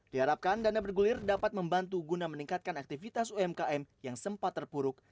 diharapkan dana bergulir dapat membantu guna meningkatkan aktivitas umkm yang sempat terpuruk